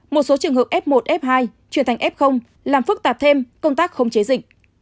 một số trường hợp f một f hai chuyển thành f làm phức tạp thêm công tác khống chế dịch